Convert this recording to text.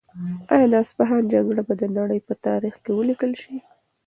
آیا د اصفهان جګړه به د نړۍ په تاریخ کې ولیکل شي؟